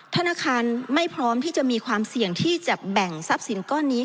ธนาคารไม่พร้อมที่จะมีความเสี่ยงที่จะแบ่งทรัพย์สินก้อนนี้